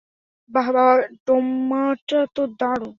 বাহ, বাবা, ডোমোটা তো দারুণ।